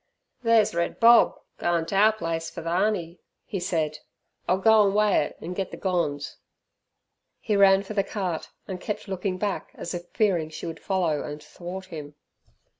"There's Red Bob goin' t'our place fur th' 'oney," he said. "I'll go an' weigh it an' get the gonz" (money). He ran for the cart, and kept looking back as if fearing she would follow and thwart him.